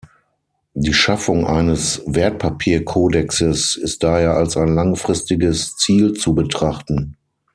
Die Schaffung eines Wertpapierkodexes ist daher als ein langfristiges Ziel zu betrachten.